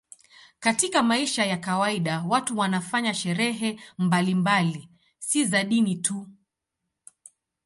Katika maisha ya kawaida watu wanafanya sherehe mbalimbali, si za dini tu.